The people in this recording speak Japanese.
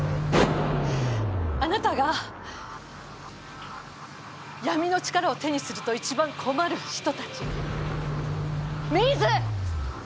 あなたが闇の力を手にすると一番困る人たちミズ！